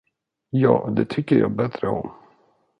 Ja, det tycker jag bättre om.